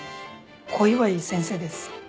小岩井先生です。